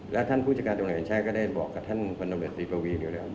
แล้วท่านผู้จัดการตำรวจแห่งชาติก็ได้บอกกับท่านพลตำรวจตรีปวีนอยู่แล้ว